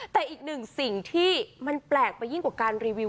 แต่อีกหนึ่งสิ่งที่ก็ยิ่งกว่ารีวิว